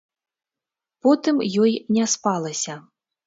Потым ёй не спалася.